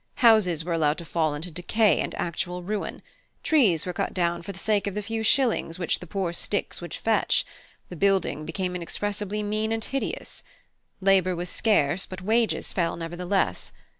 Houses were allowed to fall into decay and actual ruin; trees were cut down for the sake of the few shillings which the poor sticks would fetch; the building became inexpressibly mean and hideous. Labour was scarce; but wages fell nevertheless.